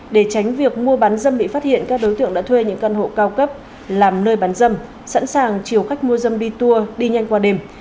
để tránh việc mua bán dâm bị phát hiện các đối tượng đã thuê những căn hộ cao cấp làm nơi bán dâm sẵn sàng chiều khách mua dâm đi tour đi nhanh qua đêm